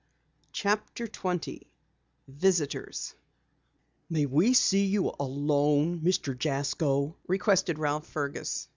CHAPTER 20 VISITORS "May we see you alone, Mr. Jasko?" requested Ralph Fergus.